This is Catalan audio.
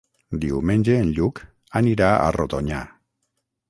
Diumenge en Lluc anirà a Rodonyà.